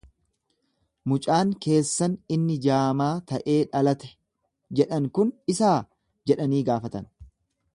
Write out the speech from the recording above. Mucaan keessan inni jaamaa ta'ee dhalate jedhan kun isaa? jedhanii gaafatan.